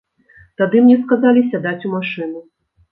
Тады мне сказалі сядаць у машыну.